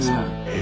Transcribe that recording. え？